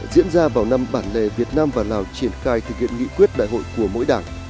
diễn ra vào năm bản lề việt nam và lào triển khai thực hiện nghị quyết đại hội của mỗi đảng